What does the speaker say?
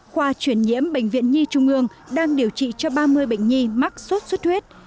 khoa chuyển nhiễm bệnh viện nhi trung ương đang điều trị cho ba mươi bệnh nhi mắc sốt xuất huyết